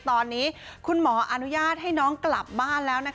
ตอนนี้คุณหมออนุญาตให้น้องกลับบ้านแล้วนะคะ